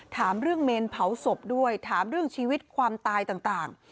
ถามเรื่องเมนเผาศพด้วยถามเรื่องชีวิตความตายต่าง